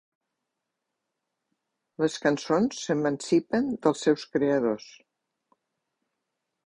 Les cançons s'emancipen dels seus creadors.